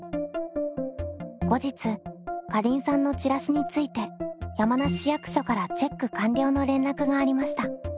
後日かりんさんのチラシについて山梨市役所からチェック完了の連絡がありました。